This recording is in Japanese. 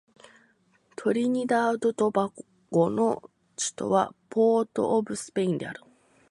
トリニダード・トバゴの首都はポートオブスペインである